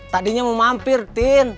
tadinya mau mampir tin